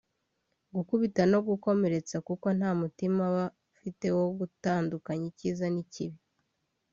gukubita no gukomeretsa kuko nta mutimanama aba afite wo gutandukanya icyiza n’icyibi